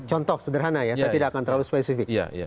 contoh sederhana ya saya tidak akan terlalu spesifik